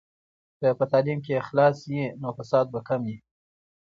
که په تعلیم کې اخلاص وي، نو فساد به کم وي.